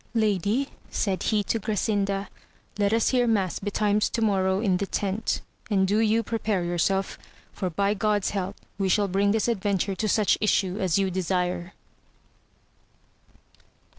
Lady, said he VOL. ni. 3 34 AMADI8 OF GAUL. to Grasinda, let us hear mass betimes tomorrow in the tent, and do you prepare yourself, for by God's help we shall bring this adventure to such issue as you desire.